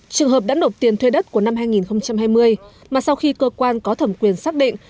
trường hợp đã nộp tiền thuê đất của năm hai nghìn hai mươi mà sau khi cơ quan có thẩm quyền xác định